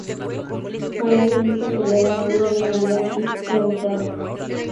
María de Guisa sería la madre de María I Estuardo.